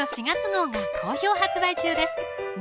４月号が好評発売中です